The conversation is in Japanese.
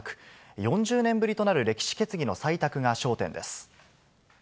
４０年ぶりとなる歴史決議の採択が焦点です。